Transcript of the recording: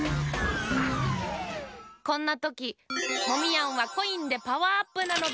こんなときモミヤンはコインでパワーアップなのだ。